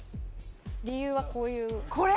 理由はこういうこれ？